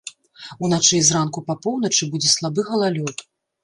Уначы і зранку па поўначы будзе слабы галалёд.